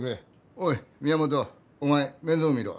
おい宮本お前面倒見ろ。